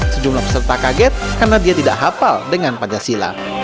sejumlah peserta kaget karena dia tidak hafal dengan pancasila